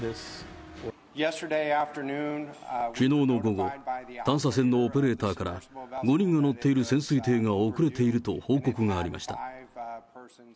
きのうの午後、探査船のオペレーターから５人が乗っている潜水艇が遅れていると報告がありました。